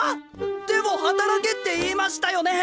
でも働けって言いましたよね！？